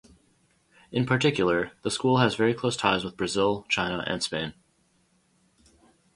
In particular, the school has very close ties with Brazil, China and Spain.